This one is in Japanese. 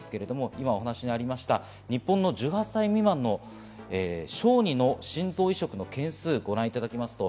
今お話にありました、日本の１８歳未満の小児の心臓移植の件数をご覧いただきます。